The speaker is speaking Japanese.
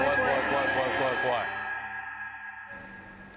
怖い怖い怖い怖い。